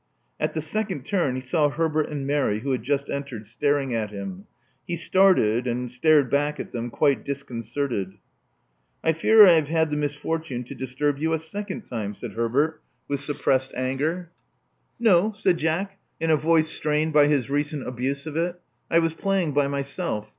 At the second turn he saw Herbert and Mary, who had just entered, staring at him. He started, and stared back at them, quite disconcerted. I fear I have had the misfortune to disturb you a second time," said Herbert, with suppressed anger. 50 Love Among the Artists No, said Jack, in a voice strained by his recent abuse of it, I was playing by myself.